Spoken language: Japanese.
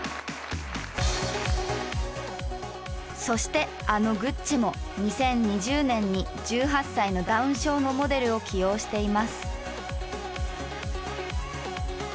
そしてあのＧＵＣＣＩも２０２０年に１８歳のダウン症のモデルを起用しています。